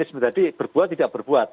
ini berbuat atau tidak berbuat